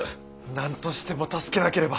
何としても助けなければ。